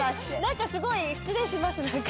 何かすごい失礼します